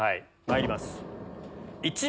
まいります